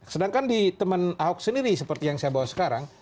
sedangkan di teman ahok sendiri seperti yang saya bawa sekarang